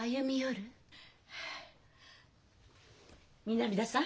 南田さん。